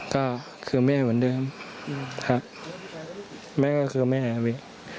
ก็คือไม่ให้เหมือนเดิมครับแม้ก็คือไม่ให้